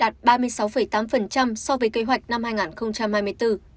đạt ba mươi sáu tám so với kế hoạch năm hai nghìn hai mươi bốn